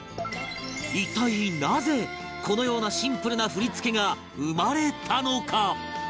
一体なぜこのようなシンプルな振り付けが生まれたのか？